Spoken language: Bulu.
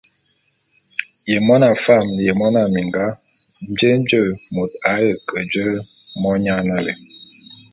Ye mona fam ye mona minga, jé nje môt a ye ke je monyan nalé?